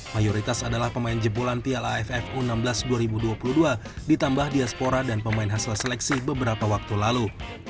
mayoritas adalah pemain jebolan piala aff u enam belas dua ribu dua puluh dua ditambah diaspora dan pemain hasil seleksi beberapa waktu lalu